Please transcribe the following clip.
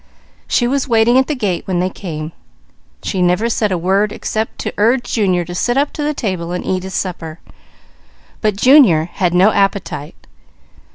She was waiting at the gate when they came. She never said a word except to urge Junior to eat his supper. But Junior had no appetite.